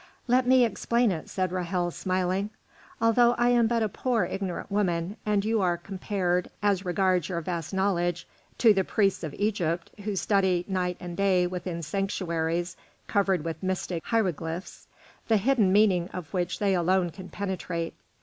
"Let me explain it," said Ra'hel, smiling, "although I am but a poor, ignorant woman, and you are compared, as regards your vast knowledge, to the priests of Egypt who study night and day within sanctuaries covered with mystic hieroglyphs, the hidden meaning of which they alone can penetrate.